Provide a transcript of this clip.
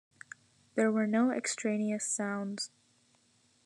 There were no extraneous sounds.